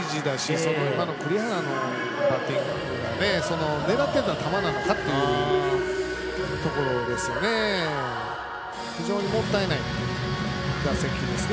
栗原のバッティングは狙っていた球なのかというところですよね。